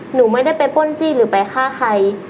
หนูไม่ได้ไปป้นจี้หรือไปฆ่าใคร